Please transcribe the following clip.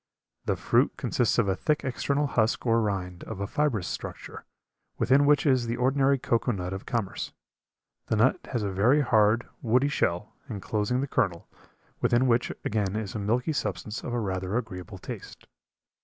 The fruit consists of a thick external husk or rind of a fibrous structure, within which is the ordinary cocoa nut of commerce. The nut has a very hard, woody shell, inclosing the kernel, within which again is a milky substance of a rather agreeable taste.